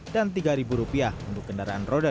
dan tiga ribu rupiah untuk kendaraan roda dua